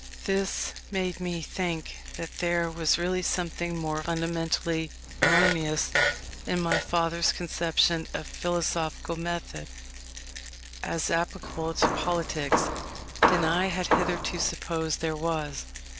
This made me think that there was really something more fundamentally erroneous in my father's conception of philosophical method, as applicable to politics, than I had hitherto supposed there was.